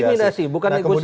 ini intimidasi bukan negosiasi